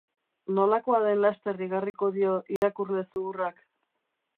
Nolakoa den laster igarriko dio irakurle zuhurrak